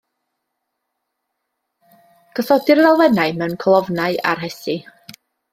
Gosodir yr elfennau mewn colofnau a rhesi.